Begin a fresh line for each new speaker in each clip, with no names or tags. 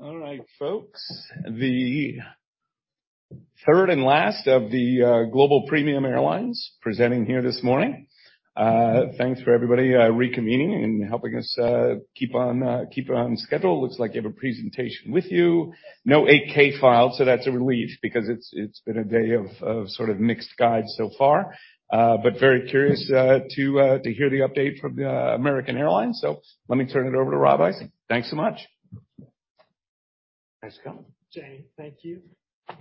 All right, folks. The third and last of the global premium airlines presenting here this morning. Thanks for everybody reconvening and helping us keep on schedule. Looks like you have a presentation with you. No Form 8-K file, so that's a relief because it's been a day of sort of mixed guides so far. Very curious to hear the update from the American Airlines. Let me turn it over to Robert Isom. Thanks so much.
Thanks for coming. Jamie, thank you.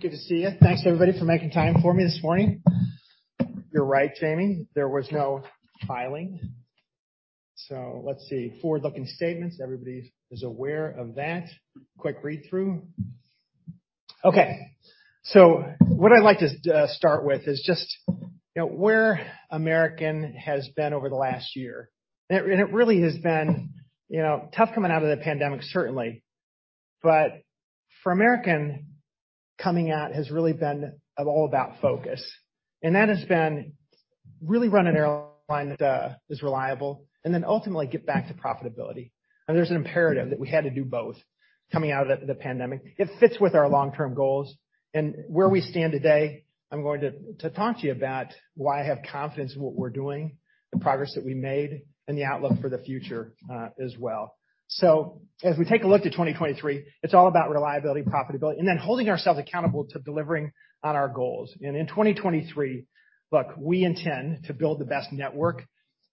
Good to see you. Thanks, everybody, for making time for me this morning. You're right, Jamie, there was no filing. Let's see, forward-looking statements. Everybody is aware of that. Quick read-through. What I'd like to start with is just, you know, where American has been over the last year. It really has been, you know, tough coming out of the pandemic, certainly. For American, coming out has really been all about focus, and that has been really run an airline that is reliable and then ultimately get back to profitability. There's an imperative that we had to do both coming out of the pandemic. It fits with our long-term goals and where we stand today. I'm going to talk to you about why I have confidence in what we're doing, the progress that we made, and the outlook for the future as well. As we take a look to 2023, it's all about reliability, profitability, and then holding ourselves accountable to delivering on our goals. In 2023, look, we intend to build the best network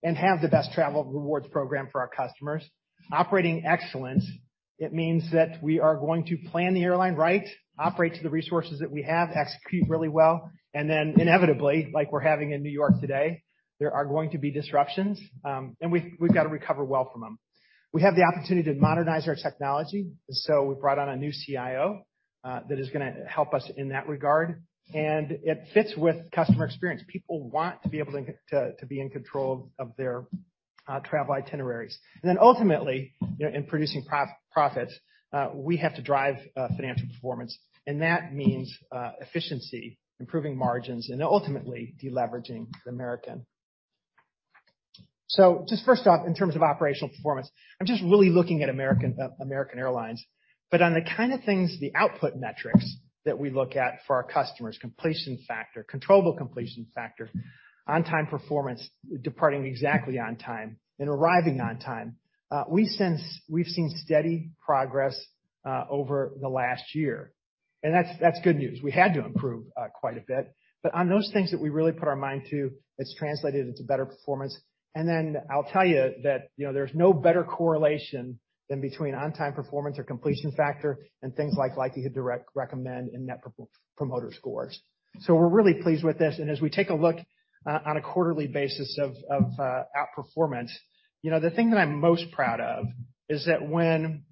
and have the best travel rewards program for our customers. Operating excellence, it means that we are going to plan the airline right, operate to the resources that we have, execute really well, and then inevitably, like we're having in New York today, there are going to be disruptions, and we've got to recover well from them. We have the opportunity to modernize our technology, so we brought on a new CIO that is gonna help us in that regard. It fits with customer experience. People want to be able to be in control of their travel itineraries. Ultimately, you know, in producing profits, we have to drive financial performance, and that means efficiency, improving margins, and ultimately deleveraging American. Just first off, in terms of operational performance, I'm just really looking at American Airlines. On the kind of things, the output metrics that we look at for our customers, completion factor, controllable completion factor, on-time performance, departing exactly on time and arriving on time. We've seen steady progress over the last year, and that's good news. We had to improve quite a bit. On those things that we really put our mind to, it's translated into better performance. I'll tell you that, you know, there's no better correlation than between on-time performance or completion factor and things like likelihood to recommend and Net Promoter Scores. We're really pleased with this. As we take a look on a quarterly basis of outperformance, you know, the thing that I'm most proud of is that when,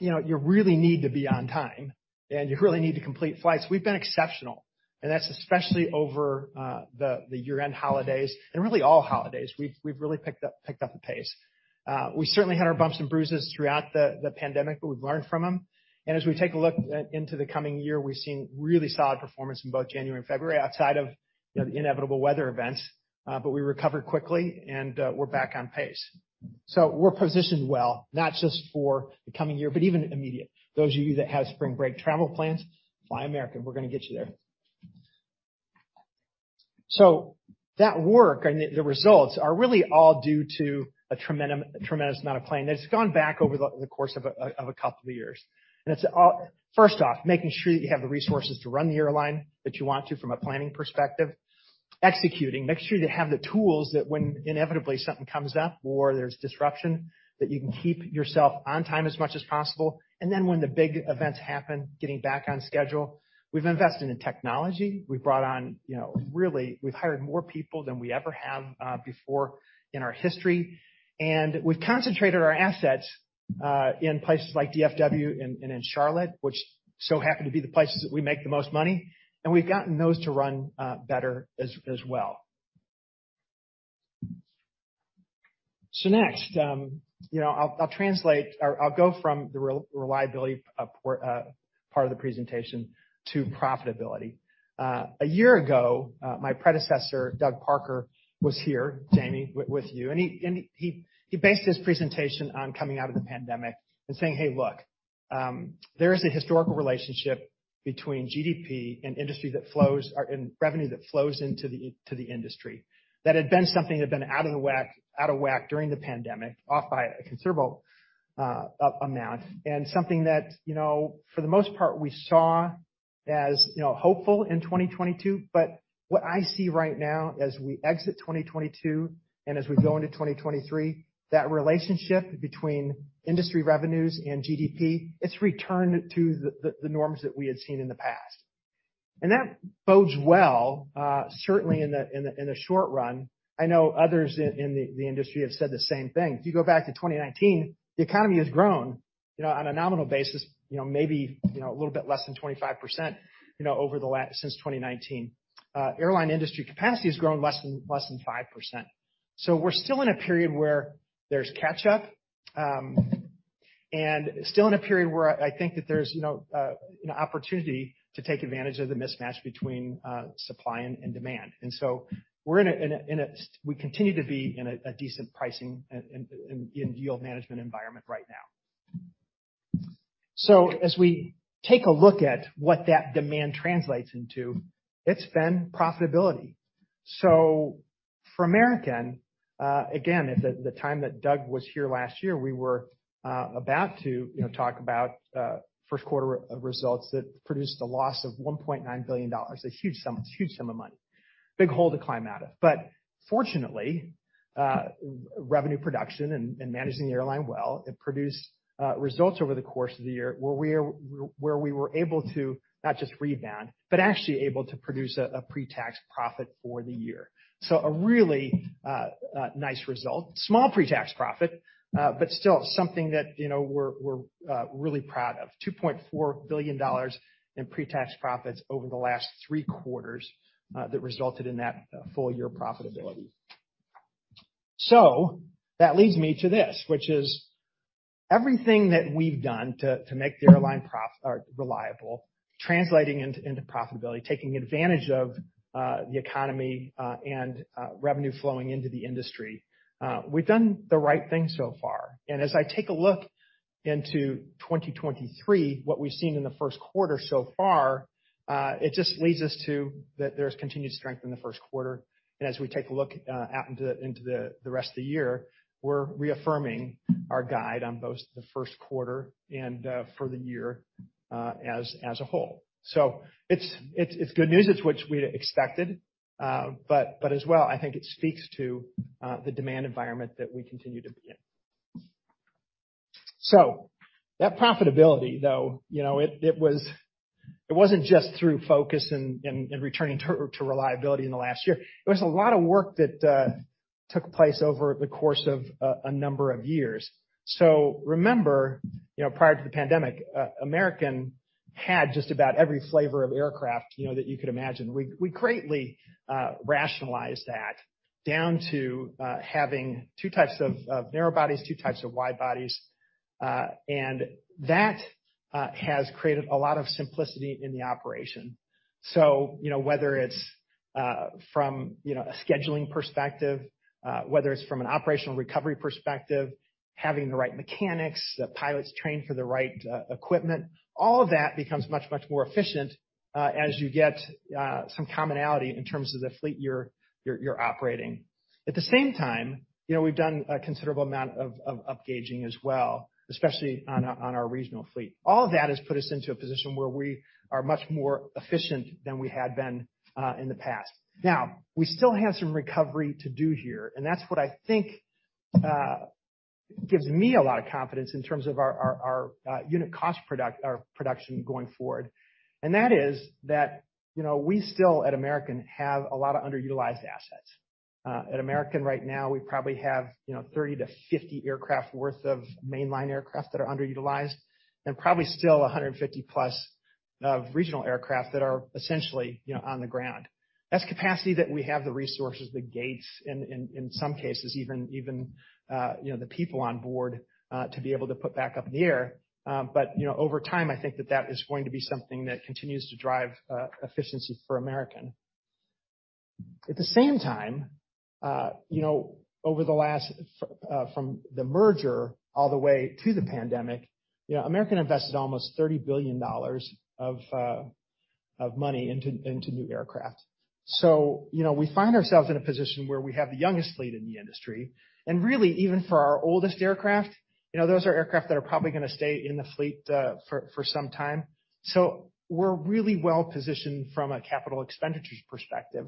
you know, you really need to be on time and you really need to complete flights, we've been exceptional. That's especially over the year-end holidays and really all holidays. We've really picked up the pace. We certainly had our bumps and bruises throughout the pandemic, but we've learned from them. As we take a look into the coming year, we've seen really solid performance in both January and February outside of, you know, the inevitable weather events. We recovered quickly, and we're back on pace. We're positioned well, not just for the coming year, but even immediate. Those of you that have spring break travel plans, fly American, we're gonna get you there. That work and the results are really all due to a tremendous amount of planning that's gone back over the course of a couple of years. First off, making sure that you have the resources to run the airline that you want to from a planning perspective. Executing, make sure you have the tools that when inevitably something comes up or there's disruption, that you can keep yourself on time as much as possible. When the big events happen, getting back on schedule. We've invested in technology. We've brought on, you know, really, we've hired more people than we ever have before in our history. We've concentrated our assets in places like DFW and in Charlotte, which so happen to be the places that we make the most money, and we've gotten those to run better as well. Next, you know, I'll translate or I'll go from the reliability of part of the presentation to profitability. A year ago, my predecessor, Doug Parker, was here, Jamie, with you. He based his presentation on coming out of the pandemic and saying, "Hey, look, there is a historical relationship between GDP and industry that flows and revenue that flows to the industry." That had been something that had been out of whack during the pandemic, off by a considerable amount, and something that, you know, for the most part, we saw as, you know, hopeful in 2022. What I see right now as we exit 2022 and as we go into 2023, that relationship between industry revenues and GDP, it's returned to the norms that we had seen in the past. That bodes well, certainly in the short run. I know others in the industry have said the same thing. If you go back to 2019, the economy has grown, you know, on a nominal basis, you know, maybe, you know, a little bit less than 25%, you know, over the since 2019. Airline industry capacity has grown less than 5%. We're still in a period where there's catch-up, and still in a period where I think that there's, you know, an opportunity to take advantage of the mismatch between supply and demand. We're in a, we continue to be in a decent pricing and yield management environment right now. As we take a look at what that demand translates into, it's been profitability. For American, again, at the time that Doug was here last year, we were about to, you know, talk about first quarter results that produced a loss of $1.9 billion. A huge sum. It's a huge sum of money. Big hole to climb out of. Fortunately, revenue production and managing the airline well, it produced results over the course of the year where we were able to not just rebound, But actually able to produce a pre-tax profit for the year. A really nice result. Small pre-tax profit, but still something that, you know, we're really proud of $2.4 billion in pre-tax profits over the last three quarters that resulted in that full year profitability. That leads me to this, which is everything that we've done to make the airline reliable, translating into profitability, taking advantage of the economy, and revenue flowing into the industry. We've done the right thing so far. As I take a look into 2023, what we've seen in the first quarter so far, it just leads us to that there's continued strength in the first quarter. As we take a look out into the rest of the year, we're reaffirming our guide on both the first quarter and for the year as a whole. It's good news. It's what we expected, but as well, I think it speaks to the demand environment that we continue to be in. That profitability, though, it wasn't just through focus and returning to reliability in the last year. It was a lot of work that took place over the course of a number of years. Remember, prior to the pandemic, American had just about every flavor of aircraft that you could imagine. We greatly rationalized that down to having two types of narrow bodies, two types of wide bodies, and that has created a lot of simplicity in the operation. You know, whether it's, from, you know, a scheduling perspective, whether it's from an operational recovery perspective, having the right mechanics, the pilots trained for the right equipment, all of that becomes much, much more efficient as you get some commonality in terms of the fleet you're operating. At the same time, you know, we've done a considerable amount of upgauging as well, especially on our regional fleet. All of that has put us into a position where we are much more efficient than we had been in the past. Now, we still have some recovery to do here, and that's what I think gives me a lot of confidence in terms of our unit cost production going forward. That is that, you know, we still at American have a lot of underutilized assets. At American right now, we probably have, you know, 30 aircraft-50 aircraft worth of Mainline aircraft that are underutilized and probably still 150+ of Regional aircraft that are essentially, you know, on the ground. That's capacity that we have the resources, the gates, and in some cases, even, you know. The people on board to be able to put back up in the air. You know, over time, I think that that is going to be something that continues to drive efficiency for American. At the same time, you know, over the last from the merger all the way to the pandemic, you know, American invested almost $30 billion of money into new aircraft. You know, we find ourselves in a position where we have the youngest fleet in the industry. Really even for our oldest aircraft, you know, those are aircraft that are probably gonna stay in the fleet for some time. We're really well-positioned from a capital expenditures perspective.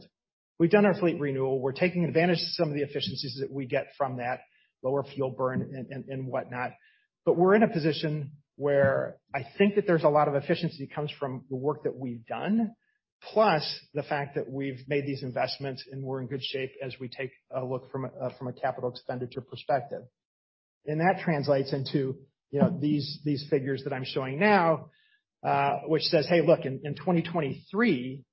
We've done our fleet renewal. We're taking advantage of some of the efficiencies that we get from that lower fuel burn and whatnot. We're in a position where I think that there's a lot of efficiency comes from the work that we've done, plus the fact that we've made these investments, and we're in good shape as we take a look from a capital expenditure perspective. That translates into, you know, these figures that I'm showing now, which says, hey, look, in 2023,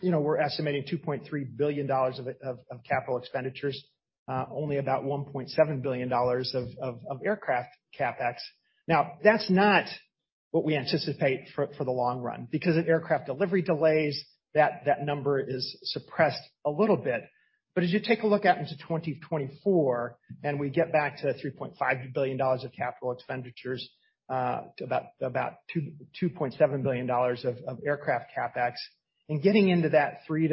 you know, we're estimating $2.3 billion of Capital Expenditures, only about $1.7 billion of aircraft CapEx. That's not what we anticipate for the long run because of aircraft delivery delays, that number is suppressed a little bit. As you take a look out into 2024, and we get back to $3.5 billion of capital expenditures, about $2.7 billion of aircraft CapEx. And getting into that $3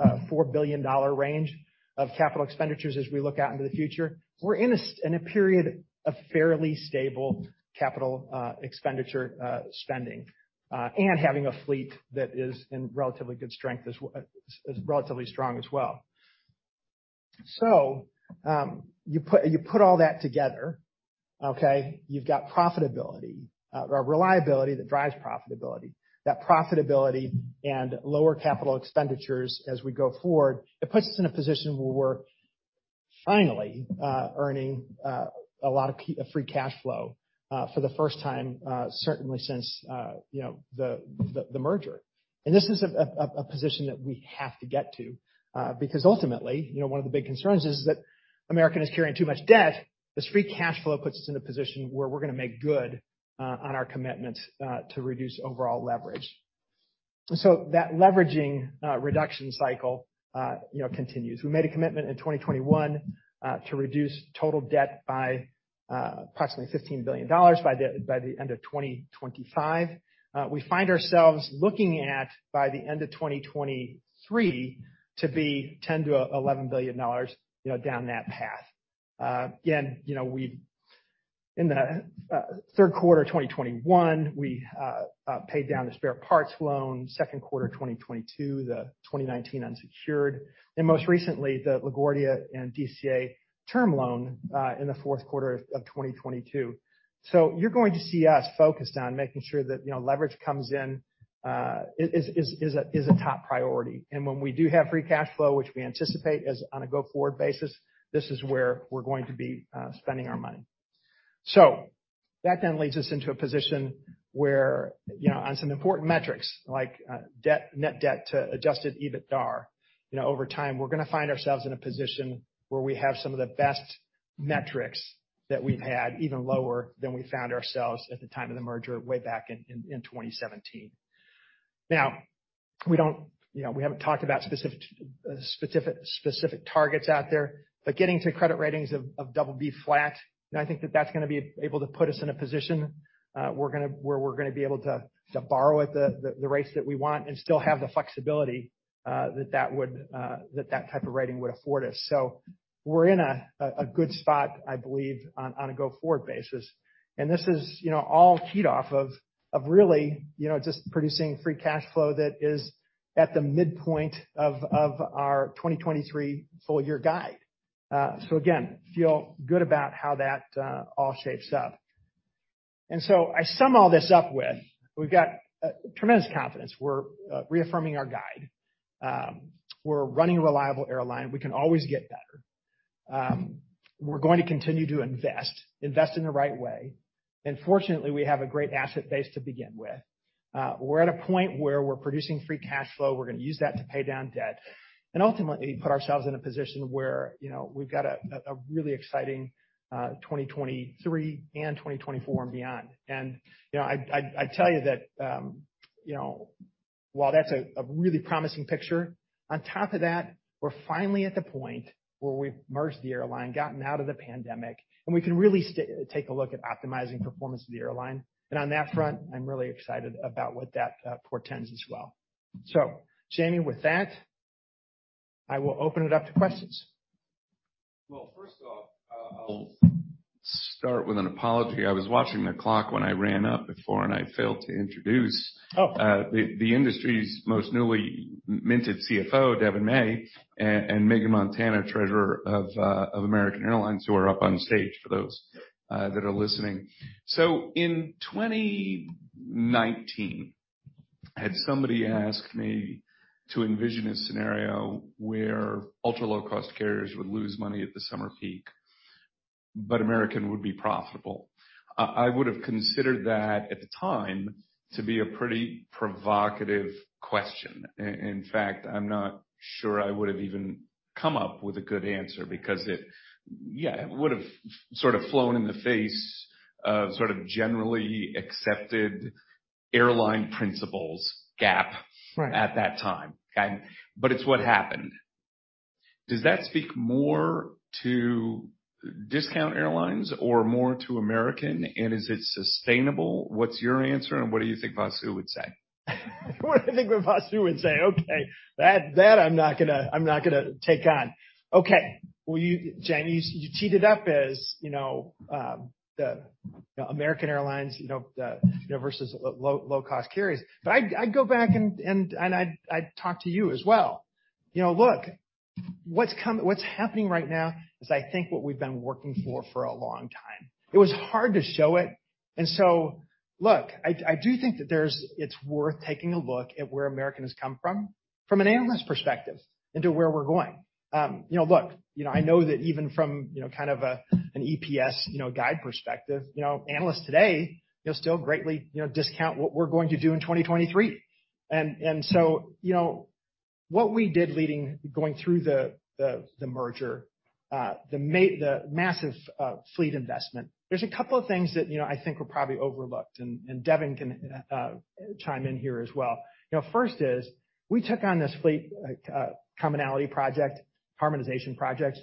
billion-$4 billion range of Capital Expenditures as we look out into the future, we're in a period of fairly stable capital expenditure spending and having a fleet that is relatively strong as well. You put all that together, okay? You've got profitability or reliability that drives profitability. That profitability and lower capital expenditures as we go forward, it puts us in a position where we're finally earning a lot of free cash flow for the first time, certainly since, you know, the merger. This is a position that we have to get to because ultimately, you know, one of the big concerns is that American is carrying too much debt. This free cash flow puts us in a position where we're gonna make good on our commitments to reduce overall leverage. That leveraging reduction cycle, you know, continues. We made a commitment in 2021 to reduce total debt by approximately $15 billion by the end of 2025. We find ourselves looking at by the end of 2023 to be $10 billion-$11 billion, you know, down that path. Again, you know, In the third quarter of 2021, we paid down the spare parts loan. Second quarter of 2022, the 2019 unsecured, and most recently, the LaGuardia and DCA term loan in the fourth quarter of 2022. You're going to see us focused on making sure that, you know, leverage comes in, is a top priority. When we do have free cash flow, which we anticipate as on a go-forward basis, this is where we're going to be spending our money. That then leads us into a position where, you know, on some important metrics, like net debt to Adjusted EBITDA, you know, over time, we're gonna find ourselves in a position where we have some of the best metrics that we've had, even lower than we found ourselves at the time of the merger way back in 2017. Now, we don't, you know, we haven't talked about specific targets out there, but getting to credit ratings of BB flat, and I think that that's gonna be able to put us in a position where we're gonna be able to borrow at the rates that we want and still have the flexibility that that would, that type of rating would afford us. We're in a good spot, I believe, on a go-forward basis. This is, you know, all keyed off of really, you know, just producing free cash flow that is at the midpoint of our 2023 full-year guide. Again, feel good about how that all shapes up. I sum all this up with, we've got tremendous confidence. We're reaffirming our guide. We're running a reliable airline. We can always get better. We're going to continue to invest in the right way. Fortunately, we have a great asset base to begin with. We're at a point where we're producing free cash flow. We're gonna use that to pay down debt and ultimately put ourselves in a position where, you know, we've got a, a really exciting 2023 and 2024 and beyond. You know, I'd tell you that, you know, while that's a really promising picture, on top of that, we're finally at the point where we've merged the airline, gotten out of the pandemic, and we can really take a look at optimizing performance of the airline. On that front, I'm really excited about what that portends as well. Jamie, with that, I will open it up to questions.
Well, first off, I'll start with an apology. I was watching the clock when I ran up before, and I failed to introduce.
Oh.
The industry's most newly minted CFO, Devon May, and Meghan Montana, Treasurer of American Airlines, who are up on stage for those that are listening. In 2019, had somebody asked me to envision a scenario where ultra-low-cost carriers would lose money at the summer peak, but American would be profitable, I would have considered that at the time to be a pretty provocative question. In fact, I'm not sure I would have even come up with a good answer because it would have sort of flown in the face of sort of generally accepted airline principles gap at that time. It's what happened. Does that speak more to discount airlines or more to American? Is it sustainable? What's your answer, and what do you think Vasu would say?
What do I think Vasu would say? Okay. That I'm not gonna take on. Okay. Well, Jamie, you teed it up as, you know, American Airlines, you know, versus low-cost carriers. I'd go back and I'd talk to you as well. You know, look, what's happening right now is I think what we've been working for for a long time. It was hard to show it. Look, I do think that it's worth taking a look at where American has come from an analyst perspective into where we're going. You know, look, you know, I know that even from, you know, kind of an EPS, you know, guide perspective, you know, analysts today, you'll still greatly, you know, discount what we're going to do in 2023. You know, what we did going through the merger, the massive fleet investment, there's a couple of things that, you know, I think were probably overlooked, and Devon can chime in here as well. You know, first is we took on this fleet commonality project, harmonization project,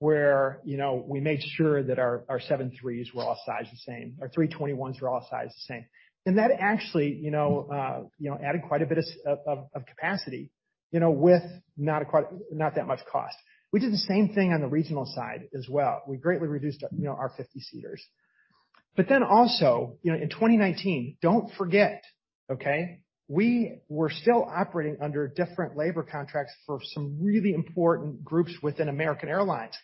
where, you know, we made sure that our 73s were all sized the same, our 321s were all sized the same. That actually, you know, added quite a bit of capacity, you know, with not that much cost. We did the same thing on the regional side as well. We greatly reduced, you know, our 50-seaters. Also, you know, in 2019, don't forget, okay, we were still operating under different labor contracts for some really important groups within American Airlines,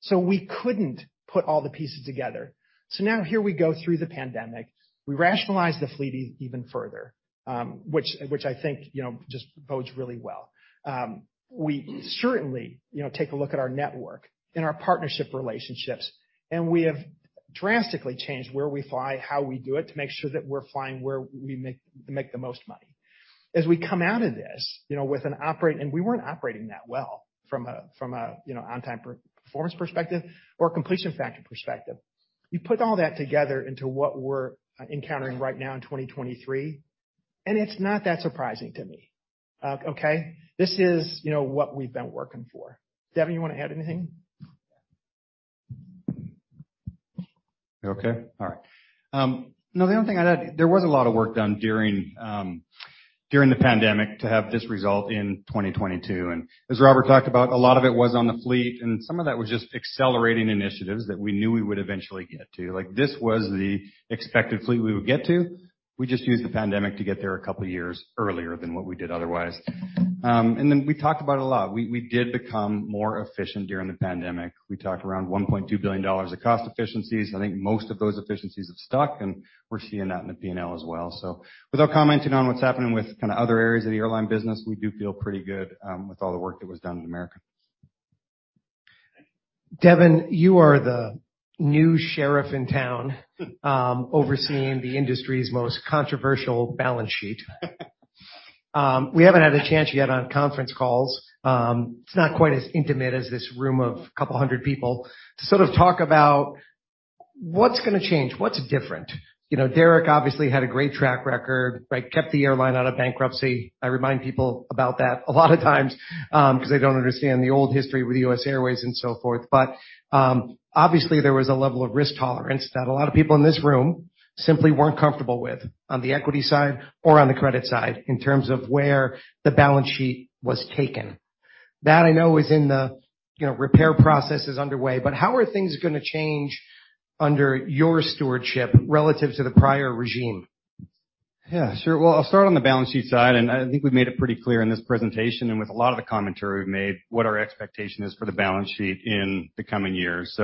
so we couldn't put all the pieces together. Now here we go through the pandemic. We rationalize the fleet even further, which I think, you know, just bodes really well. We certainly, you know, take a look at our network and our partnership relationships, and we have drastically changed where we fly, how we do it to make sure that we're flying where we make the most money. As we come out of this, you know, and we weren't operating that well from a, you know, on time performance perspective or completion factor perspective. You put all that together into what we're encountering right now in 2023, and it's not that surprising to me. Okay? This is, you know, what we've been working for. Devon, you wanna add anything?
Okay. All right. No, the only thing I'd add, there was a lot of work done during the pandemic to have this result in 2022. As Robert talked about, a lot of it was on the fleet. Some of that was just accelerating initiatives that we knew we would eventually get to. Like, this was the expected fleet we would get to. We just used the pandemic to get there a couple years earlier than what we did otherwise. Then we talked about it a lot. We did become more efficient during the pandemic. We talked around $1.2 billion of cost efficiencies. I think most of those efficiencies have stuck. We're seeing that in the P&L as well. Without commenting on what's happening with kinda other areas of the airline business, we do feel pretty good, with all the work that was done at American.
Devon, you are the new sheriff in town. Overseeing the industry's most controversial balance sheet. We haven't had a chance yet on conference calls, it's not quite as intimate as this room of a couple 100 people to sort of talk about what's gonna change, what's different. You know, Derek obviously had a great track record, right? Kept the airline out of bankruptcy. I remind people about that a lot of times, 'cause they don't understand the old history with US Airways and so forth. Obviously, there was a level of risk tolerance that a lot of people in this room simply weren't comfortable with on the equity side or on the credit side in terms of where the balance sheet was taken. That I know is in the, you know, repair process is underway, but how are things gonna change under your stewardship relative to the prior regime?
Yeah, sure. Well, I'll start on the balance sheet side, and I think we've made it pretty clear in this presentation and with a lot of the commentary we've made what our expectation is for the balance sheet in the coming years.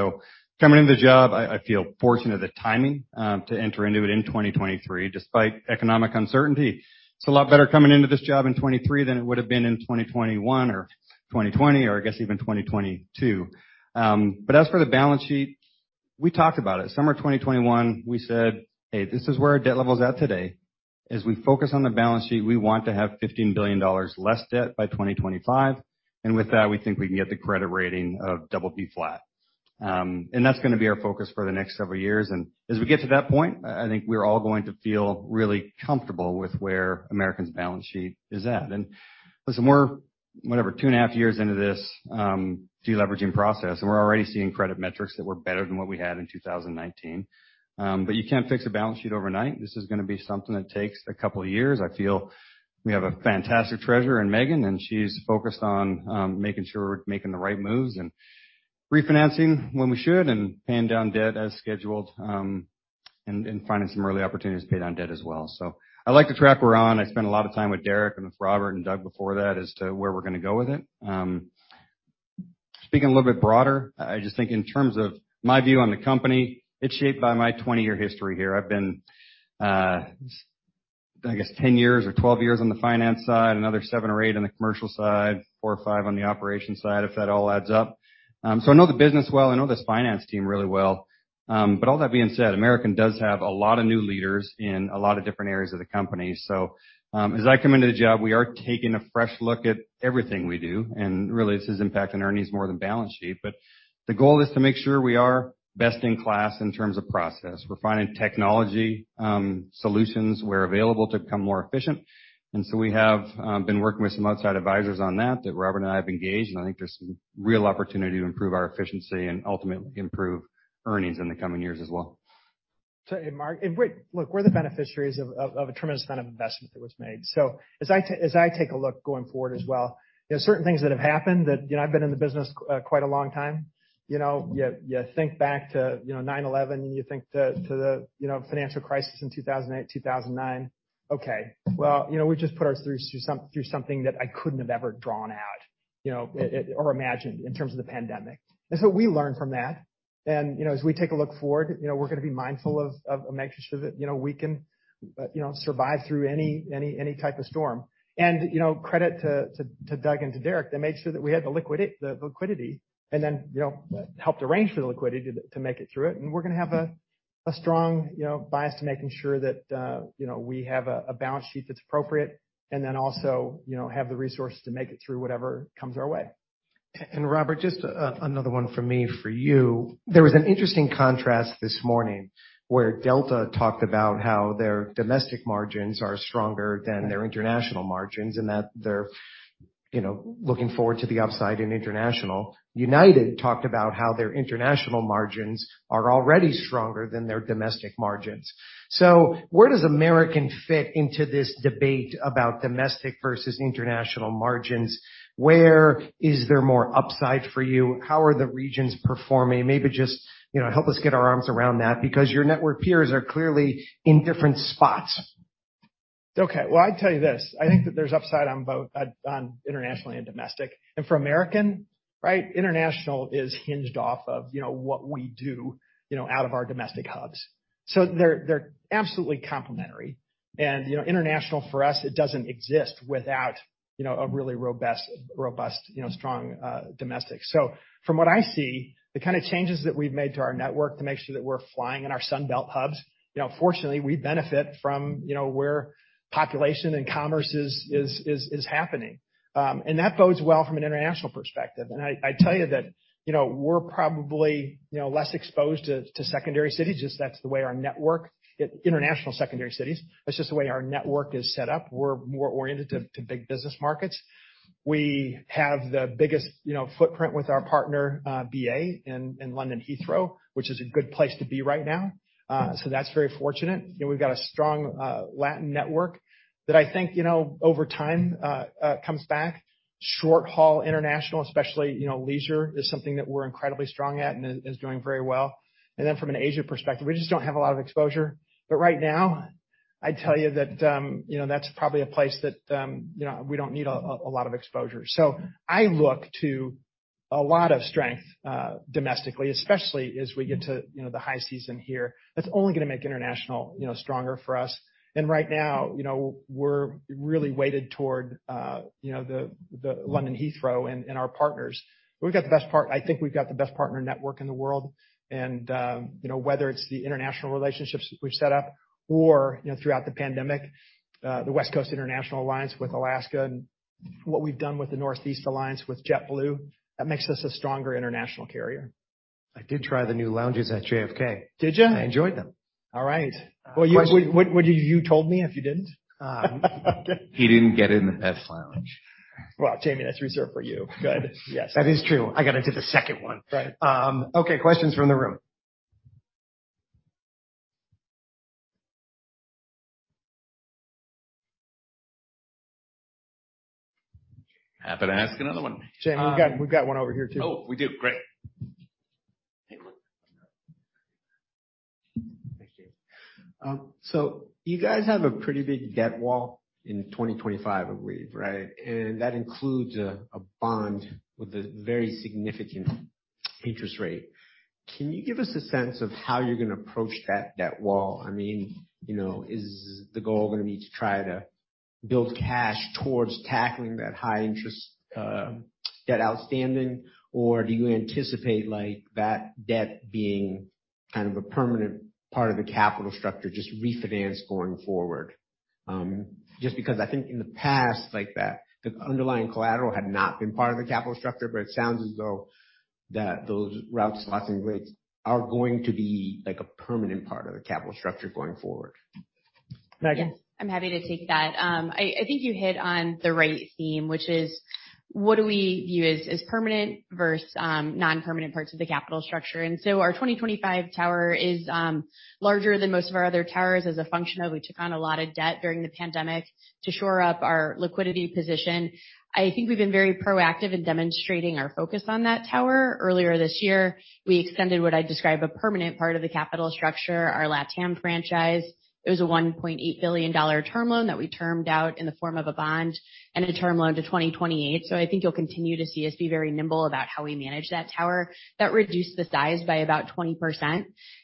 Coming into the job, I feel fortunate of the timing to enter into it in 2023, despite economic uncertainty. It's a lot better coming into this job in 2023 than it would've been in 2021 or 2020 or I guess even 2022. As for the balance sheet, we talked about it. Summer 2021, we said, "Hey, this is where our debt level's at today. As we focus on the balance sheet, we want to have $15 billion less debt by 2025, and with that, we think we can get the credit rating of BB flat." That's gonna be our focus for the next several years, and as we get to that point, I think we're all going to feel really comfortable with where American's balance sheet is at. Listen, we're, whatever, 2.5 years into this deleveraging process, and we're already seeing credit metrics that were better than what we had in 2019. You can't fix a balance sheet overnight. This is gonna be something that takes a couple of years. I feel we have a fantastic treasurer in Meghan, and she's focused on making sure we're making the right moves and refinancing when we should and paying down debt as scheduled and finding some early opportunities to pay down debt as well. I like the track we're on. I spent a lot of time with Derek and with Robert and Doug before that as to where we're going to go with it. Speaking a little bit broader, I just think in terms of my view on the company, it's shaped by my 20-year history here. I've been, I guess, 10 years or 12 years on the finance side, another 7 or 8 on the commercial side, 4 or 5 on the operations side, if that all adds up. I know the business well, I know this finance team really well. All that being said, American does have a lot of new leaders in a lot of different areas of the company. As I come into the job, we are taking a fresh look at everything we do, and really, this is impacting earnings more than balance sheet. The goal is to make sure we are best in class in terms of process. We're finding technology solutions where available to become more efficient. We have been working with some outside advisors on that Robert and I have engaged, and I think there's some real opportunity to improve our efficiency and ultimately improve earnings in the coming years as well.
Mark, look, we're the beneficiaries of a tremendous amount of investment that was made. As I take a look going forward as well, you know, certain things that have happened that, you know, I've been in the business quite a long time. You know, you think back to, you know, 9/11, and you think to the, you know, financial crisis in 2008, 2009. Okay. You know, we've just put ourself through something that I couldn't have ever drawn out, you know, or imagined in terms of the pandemic. We learn from that. You know, as we take a look forward, you know, we're gonna be mindful of, and make sure that, you know, we can, you know, survive through any type of storm. You know, credit to Doug and to Derek, they made sure that we had the liquidity and then, you know, helped arrange for the liquidity to make it through it. We're gonna have a strong, you know, bias to making sure that, you know, we have a balance sheet that's appropriate and then also, you know, have the resources to make it through whatever comes our way.
Robert, just another one from me for you. There was an interesting contrast this morning where Delta talked about how their domestic margins are stronger than their international margins and that they're, you know, looking forward to the upside in international. United talked about how their international margins are already stronger than their domestic margins. Where does American fit into this debate about domestic versus international margins? Where is there more upside for you? How are the regions performing? Maybe just, you know, help us get our arms around that because your network peers are clearly in different spots.
Okay. Well, I'd tell you this, I think that there's upside on both on internationally and domestic. For American, right, international is hinged off of, you know, what we do, you know, out of our domestic hubs. They're absolutely complementary. You know, international for us, it doesn't exist without, you know, a really robust, you know, strong domestic. From what I see, the kind of changes that we've made to our network to make sure that we're flying in our sun belt hubs, you know, fortunately, we benefit from, you know, where population and commerce is happening. That bodes well from an international perspective. I tell you that, you know, we're probably, you know, less exposed to secondary cities, just that's the way our network. International secondary cities. That's just the way our network is set up. We're more oriented to big business markets. We have the biggest, you know, footprint with our partner, BA in London Heathrow, which is a good place to be right now. That's very fortunate. You know, we've got a strong Latin network that I think, you know, over time comes back. Short-haul international, especially, you know, leisure, is something that we're incredibly strong at and is doing very well. From an Asia perspective, we just don't have a lot of exposure. Right now, I'd tell you that, you know, that's probably a place that, you know, we don't need a lot of exposure. I look to a lot of strength domestically, especially as we get to, you know, the high season here. That's only gonna make international, you know, stronger for us. Right now, you know, we're really weighted toward, you know, the London Heathrow and our partners. I think we've got the best partner network in the world. You know, whether it's the international relationships we've set up or, you know, throughout the pandemic, the West Coast International Alliance with Alaska and what we've done with the Northeast Alliance with JetBlue, that makes us a stronger international carrier.
I did try the new lounges at JFK.
Did you?
I enjoyed them.
All right. Well, would you have told me if you didn't?
Um.
He didn't get in the best lounge.
Jamie, that's reserved for you. Go ahead. Yes.
That is true. I got into the second one. Right. Okay, questions from the room.
Happy to ask another one.
Jamie, we've got one over here too.
Oh, we do. Great.
Thank you. You guys have a pretty big debt wall in 2025, I believe, right? That includes a bond with a very significant interest rate. Can you give us a sense of how you're gonna approach that debt wall? I mean, you know, is the goal gonna be to try to build cash towards tackling that high-interest debt outstanding? Do you anticipate, like, that debt being kind of a permanent part of the capital structure, just refinance going forward? Just because I think in the past, like, the underlying collateral had not been part of the capital structure, but it sounds as though that those route slots and grids are going to be, like, a permanent part of the capital structure going forward.
Meghan.
I'm happy to take that. I think you hit on the right theme, which is what do we view as permanent versus non-permanent parts of the capital structure. Our 2025 tower is larger than most of our other towers as a function of we took on a lot of debt during the pandemic to shore up our liquidity position. I think we've been very proactive in demonstrating our focus on that tower. Earlier this year, we extended what I describe a permanent part of the capital structure, our LatAm franchise. It was a $1.8 billion term loan that we termed out in the form of a bond and a term loan to 2028. I think you'll continue to see us be very nimble about how we manage that tower. That reduced the size by about 20%.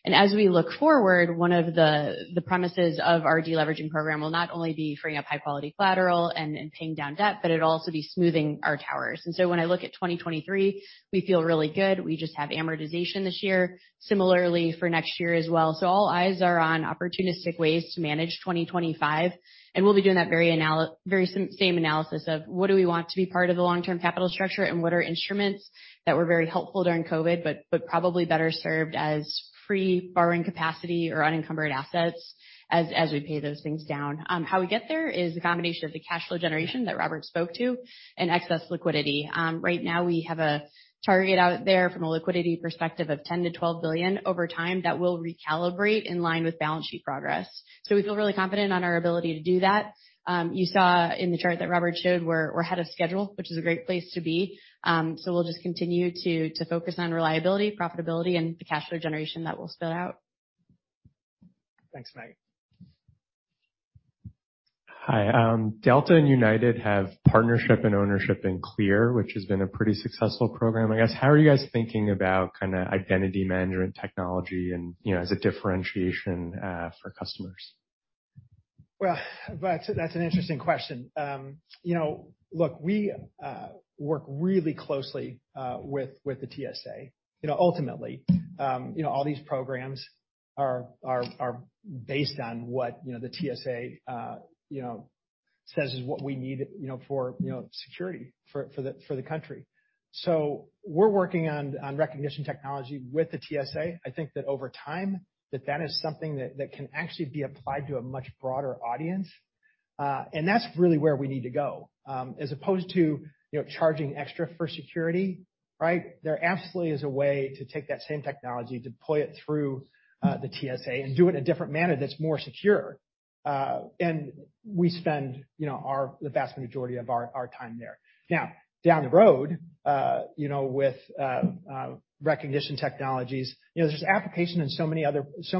As we look forward, one of the premises of our deleveraging program will not only be freeing up high-quality collateral and paying down debt, but it'll also be smoothing our towers. When I look at 2023, we feel really good. We just have amortization this year. Similarly for next year as well. So all eyes are on opportunistic ways to manage 2025. We'll be doing that very same analysis of what do we want to be part of the long-term capital structure and what are instruments that were very helpful during COVID, but probably better served as free borrowing capacity or unencumbered assets as we pay those things down. How we get there is a combination of the cash flow generation that Robert spoke to and excess liquidity. Right now we have a target out there from a liquidity perspective of $10 billion-$12 billion over time that will recalibrate in line with balance sheet progress. We feel really confident on our ability to do that. You saw in the chart that Robert showed, we're ahead of schedule, which is a great place to be. We'll just continue to focus on reliability, profitability, and the cash flow generation that will spill out.
Thanks, Meghan.
Hi. Delta and United have partnership and ownership in CLEAR, which has been a pretty successful program. I guess, how are you guys thinking about kind of identity management technology and, you know, as a differentiation for customers?
Well, that's an interesting question. You know, look, we work really closely with the TSA. You know, ultimately, you know, all these programs are based on what, you know, the TSA, you know, says is what we need, you know, for, you know, security for the country. We're working on recognition technology with the TSA. I think that over time, that is something that can actually be applied to a much broader audience. That's really where we need to go. As opposed to, you know, charging extra for security, right? There absolutely is a way to take that same technology, deploy it through the TSA and do it in a different manner that's more secure. We spend, you know, the vast majority of our time there. Down the road, you know, with recognition technologies, you know, there's application in so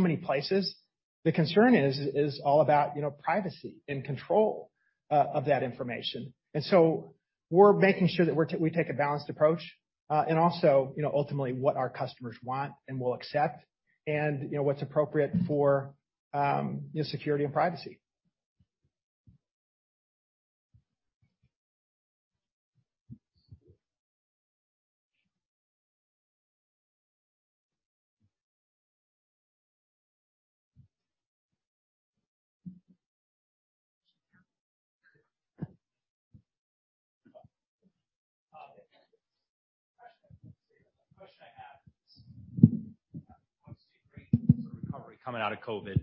many places. The concern is all about, you know, privacy and control of that information. We're making sure that we take a balanced approach, and also, you know, ultimately what our customers want and will accept and, you know, what's appropriate for, you know, security and privacy.
The question I have is, obviously great recovery coming out of COVID.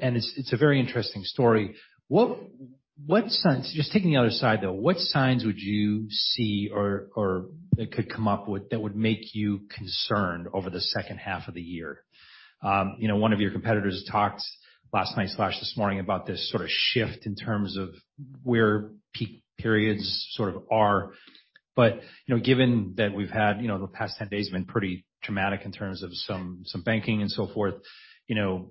It's a very interesting story. What signs, just taking the other side, though, what signs would you see or that could come up with that would make you concerned over the second half of the year? You know, one of your competitors talked last night/this morning about this sort of shift in terms of where peak periods sort of are. You know, given that we've had, you know, the past 10 days have been pretty traumatic in terms of some banking and so forth, you know,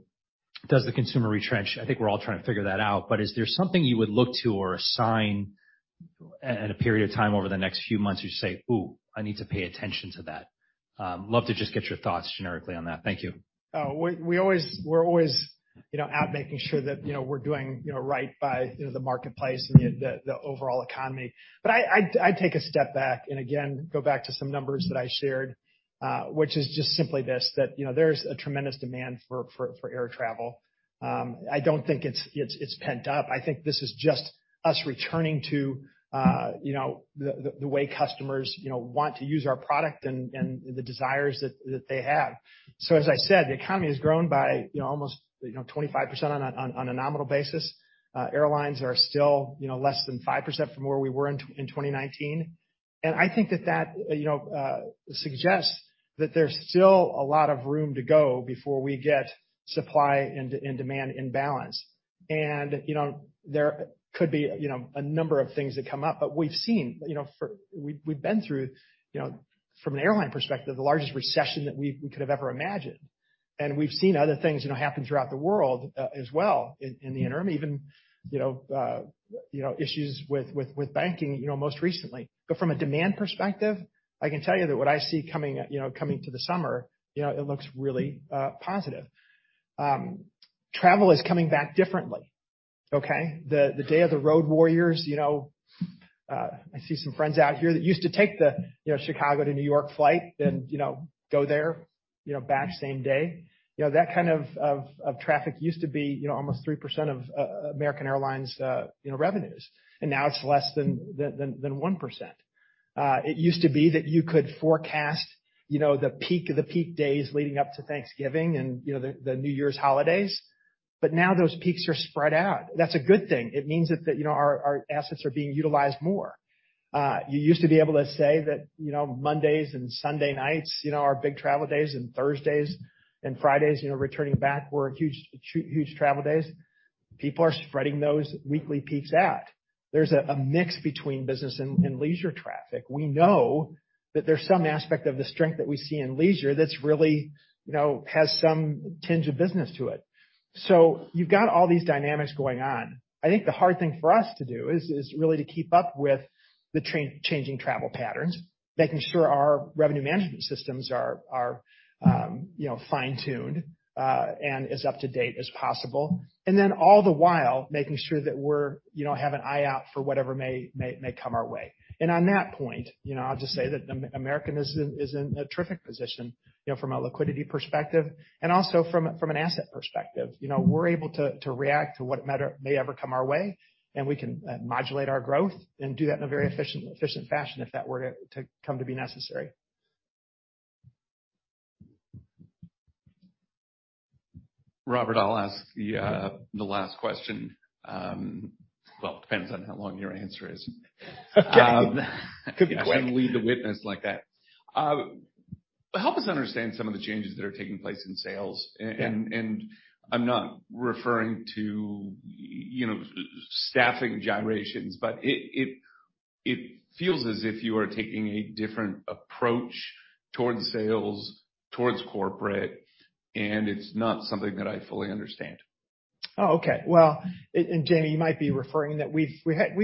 does the consumer retrench? I think we're all trying to figure that out. Is there something you would look to or a sign at a period of time over the next few months, you say, "Ooh, I need to pay attention to that." Love to just get your thoughts generically on that. Thank you.
Oh, we always, we're always, you know, out making sure that, you know, we're doing, you know, right by, you know, the marketplace and the overall economy. I take a step back and again, go back to some numbers that I shared, which is just simply this, that, you know, there's a tremendous demand for air travel. I don't think it's pent up. I think this is just us returning to, you know, the way customers, you know, want to use our product and the desires that they have. As I said, the economy has grown by, you know, almost, you know, 25% on a nominal basis. Airlines are still, you know, less than 5% from where we were in 2019. I think that, you know, suggests that there's still a lot of room to go before we get supply and demand in balance. There could be, you know, a number of things that come up. We've seen, you know, we've been through, you know, from an airline perspective, the largest recession that we could have ever imagined. We've seen other things, you know, happen throughout the world as well in the interim, even, you know, issues with banking, you know, most recently. From a demand perspective, I can tell you that what I see coming, you know, coming to the summer, you know, it looks really positive. Travel is coming back differently, okay? The day of the road warriors, you know, I see some friends out here that used to take the, you know, Chicago to New York flight and, you know, go there, you know, back same day. You know, that kind of traffic used to be, you know, almost 3% of American Airlines', you know, revenues, and now it's less than 1%. It used to be that you could forecast, you know, the peak of the peak days leading up to Thanksgiving and, you know, the New Year's holidays. Now those peaks are spread out. That's a good thing. It means that, you know, our assets are being utilized more. You used to be able to say that, you know, Mondays and Sunday nights, you know, are big travel days, and Thursdays and Fridays, you know, returning back were huge travel days. People are spreading those weekly peaks out. There's a mix between business and leisure traffic. We know that there's some aspect of the strength that we see in leisure that's really, you know, has some tinge of business to it. You've got all these dynamics going on. I think the hard thing for us to do is really to keep up with the changing travel patterns, making sure our revenue management systems are, you know, fine-tuned and as up to date as possible, and then all the while making sure that we're, you know, have an eye out for whatever may come our way. On that point, you know, I'll just say that American is in a terrific position, you know, from a liquidity perspective and also from a, from an asset perspective. You know, we're able to react to what may ever come our way, and we can modulate our growth and do that in a very efficient fashion if that were to come to be necessary.
Robert, I'll ask the last question. Well, it depends on how long your answer is.
Could be quick.
I shouldn't lead the witness like that. Help us understand some of the changes that are taking place in sales.
Yeah.
I'm not referring to, you know, staffing gyrations, but it feels as if you are taking a different approach towards sales, towards corporate, and it's not something that I fully understand.
Oh, okay. Well, Jamie, you might be referring that we've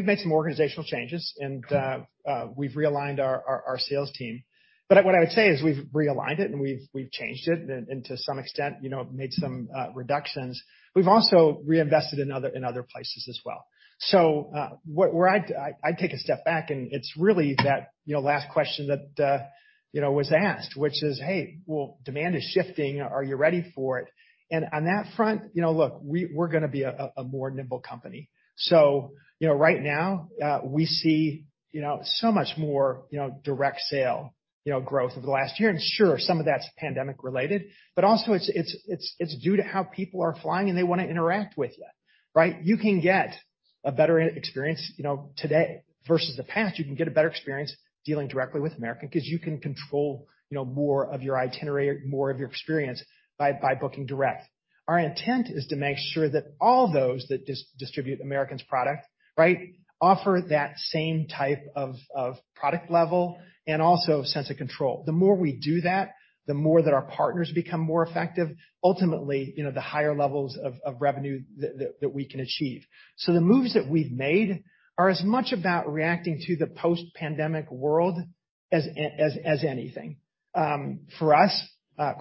made some organizational changes, and we've realigned our sales team. What I would say is we've realigned it and we've changed it and to some extent, you know, made some reductions. We've also reinvested in other places as well. Where I'd take a step back, and it's really that, you know, last question that, you know, was asked, which is, hey, well, demand is shifting. Are you ready for it? On that front, you know, look, we're gonna be a more nimble company. Right now, we see, you know, so much more, you know, direct sale, you know, growth over the last year. Sure, some of that's pandemic-related, but also it's due to how people are flying, and they wanna interact with you, right? You can get a better experience, you know, today versus the past. You can get a better experience dealing directly with American Airlines 'cause you can control, you know, more of your itinerary, more of your experience by booking direct. Our intent is to make sure that all those that distribute American Airlines' product, right, offer that same type of product level and also sense of control. The more we do that, the more that our partners become more effective, ultimately, you know, the higher levels of revenue that we can achieve. The moves that we've made are as much about reacting to the post-pandemic world as anything. For us,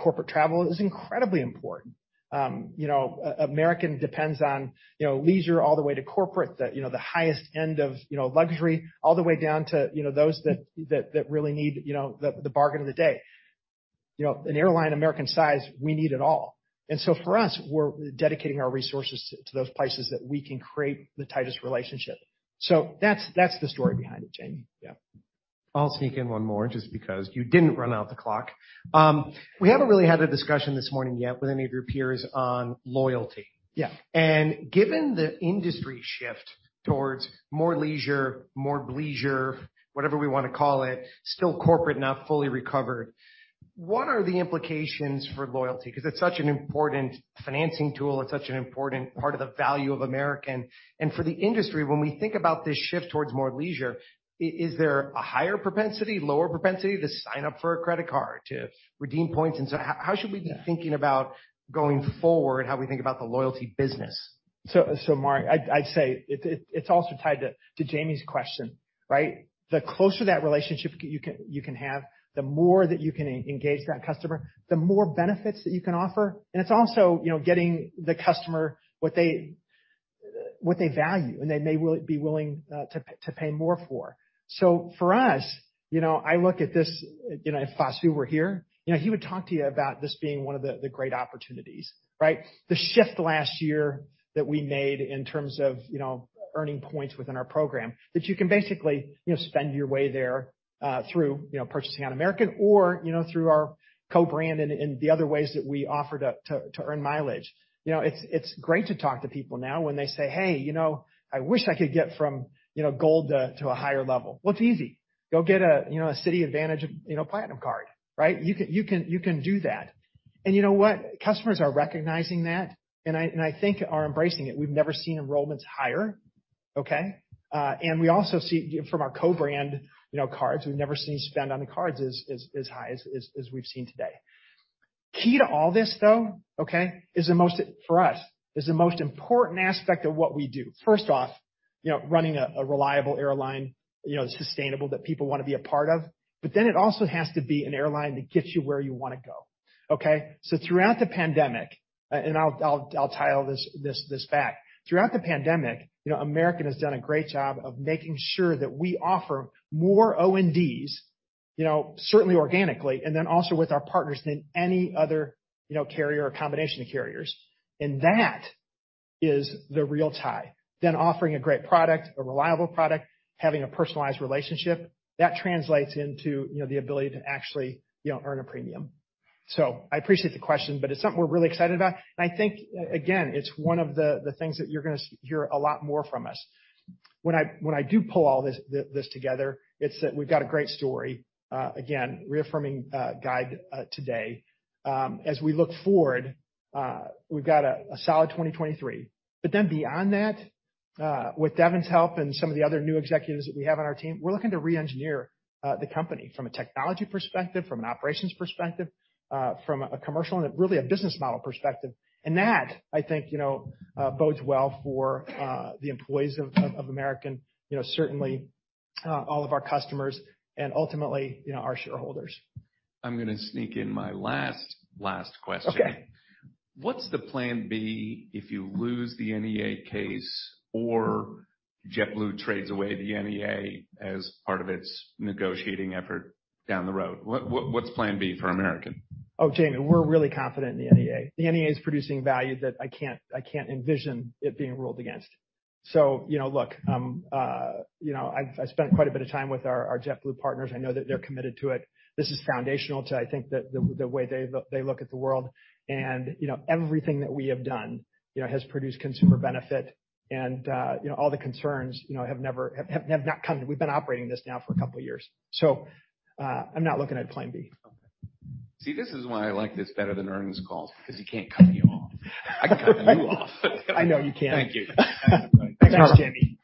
corporate travel is incredibly important. You know, American depends on, you know, leisure all the way to corporate the, you know, the highest end of, you know, luxury all the way down to, you know, those that really need, you know, the bargain of the day. You know, an airline American size, we need it all. For us, we're dedicating our resources to those places that we can create the tightest relationship. That's the story behind it, Jamie. Yeah.
I'll sneak in one more just because you didn't run out the clock. We haven't really had a discussion this morning yet with any of your peers on loyalty.
Yeah.
Given the industry shift towards more leisure, more bleisure, whatever we wanna call it, still corporate, not fully recovered, what are the implications for loyalty? 'Cause it's such an important financing tool. It's such an important part of the value of American. For the industry, when we think about this shift towards more leisure, is there a higher propensity, lower propensity to sign up for a credit card?
Yes
Redeem points? How should we be thinking about going forward, how we think about the loyalty business?
Mark, I'd say it's also tied to Jamie's question, right? The closer that relationship you can have, the more that you can engage that customer, the more benefits that you can offer. It's also, you know, getting the customer what they value, and they may be willing to pay more for. For us, you know, I look at this, you know, if Vasu were here, you know, he would talk to you about this being one of the great opportunities, right? The shift last year that we made in terms of, you know, earning points within our program, that you can basically, you know, spend your way there, through, you know, purchasing on American or, you know, through our co-brand and the other ways that we offer to earn mileage. You know, it's great to talk to people now when they say, "Hey, you know, I wish I could get from, you know, gold to a higher level." Well, it's easy. Go get a, you know, a Citi / AAdvantage, you know, Platinum card, right? You can do that. You know what? Customers are recognizing that, and I think are embracing it. We've never seen enrollments higher, okay? We also see from our co-brand, you know, cards, we've never seen you spend on the cards as high as we've seen today. Key to all this, though, okay, for us, is the most important aspect of what we do. First off, you know, running a reliable airline, you know, sustainable that people wanna be a part of. It also has to be an airline that gets you where you wanna go, okay? Throughout the pandemic, and I'll tie all this back. Throughout the pandemic, you know, American has done a great job of making sure that we offer more O&Ds, you know, certainly organically, and then also with our partners than any other, you know, carrier or combination of carriers. That is the real tie. Offering a great product, a reliable product, having a personalized relationship, that translates into, you know, the ability to actually, you know, earn a premium. I appreciate the question, but it's something we're really excited about. I think, again, it's one of the things that you're gonna hear a lot more from us. When I do pull all this together, it's that we've got a great story, again, reaffirming guide today. As we look forward, we've got a solid 2023. Beyond that, with Devon's help and some of the other new executives that we have on our team, we're looking to re-engineer the company from a technology perspective, from an operations perspective, from a commercial and really a business model perspective. That, I think, you know, bodes well for the employees of American, you know, certainly all of our customers and ultimately, you know, our shareholders.
I'm gonna sneak in my last question.
Okay.
What's the Plan B if you lose the NEA case or JetBlue trades away the NEA as part of its negotiating effort down the road? What's Plan B for American?
Jamie, we're really confident in the NEA. The NEA is producing value that I can't envision it being ruled against. You know, look, you know, I've spent quite a bit of time with our JetBlue partners. I know that they're committed to it. This is foundational to, I think the way they look at the world. You know, everything that we have done, you know, has produced consumer benefit. You know, all the concerns, you know, have not come. We've been operating this now for a couple of years, I'm not looking at Plan B.
See, this is why I like this better than earnings calls, 'cause he can't cut me off. I can cut you off.
I know you can.
Thank you.
Thanks, Jamie.